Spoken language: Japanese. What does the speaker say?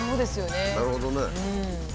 なるほどね。